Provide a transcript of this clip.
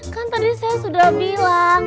kan tadi saya sudah bilang